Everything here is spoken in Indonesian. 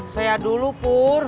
saya dulu pur